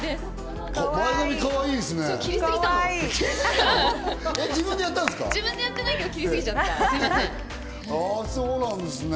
前髪、かわいいですね。